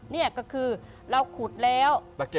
นี่ก็คือเราขุดแล้ว